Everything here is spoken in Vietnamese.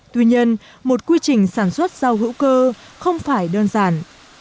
tuy nhiên một quy trình sản xuất rau hữu cơ không phải đơn giản